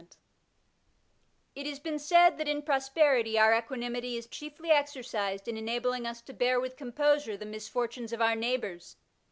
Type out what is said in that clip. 7 Digitized by Google ABQUANIMITAS It has been said that in prosperity our equanimity is chiefly exercised in enabling us to bear with composure the misfortunes of our neighbours.